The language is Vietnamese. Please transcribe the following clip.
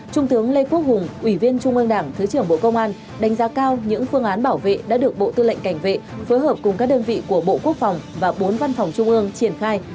trung tướng lê quốc hùng ủy viên trung ương đảng thứ trưởng bộ công an đánh giá cao những phương án bảo vệ đã được bộ tư lệnh cảnh vệ phối hợp cùng các đơn vị của bộ quốc phòng và bốn văn phòng trung ương triển khai